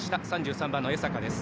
３３番の江坂です。